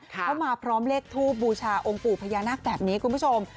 เขามาพร้อมเลขทูบบูชาองค์ปู่พญานาคแบบนี้คุณผู้ชม